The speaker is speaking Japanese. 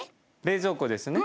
冷蔵庫ですね。